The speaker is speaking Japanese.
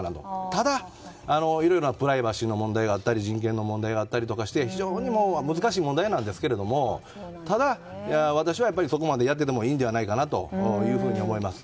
ただ、いろいろなプライバシーの問題があったり人権の問題があったりして非常に難しい問題なんですけどただ、私はそこまでやっててもいいんじゃないかなと思います。